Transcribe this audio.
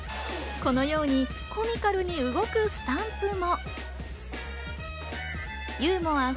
このようにコミカルに動くスタンプも。